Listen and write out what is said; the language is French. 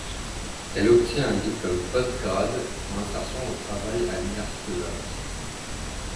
Elle obtient un diplôme post-grade en insertion au travail à l'université de Valence.